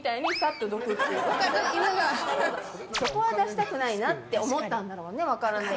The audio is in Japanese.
そこは出したくないって思ったんだろうね。